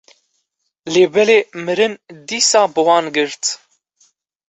lêbelê mirin dîsa bi wan girt.